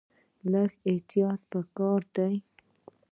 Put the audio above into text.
لږ احتیاط په کار دی.